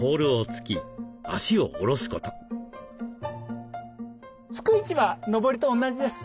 突く位置はのぼりと同じです。